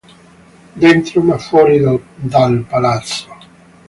Dentro, ma fuori dal Palazzo”.